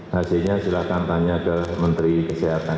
hasilnya silahkan tanya ke menteri kesehatan